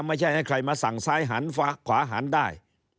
ไม่ใช่ให้ใครมาสั่งซ้ายหันขวาหันได้